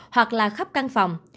hoặc là khắp căn phòng